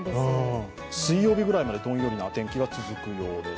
水曜日ぐらいまで、どんよりな天気が続くようです。